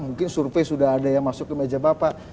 mungkin survei sudah ada yang masuk ke meja bapak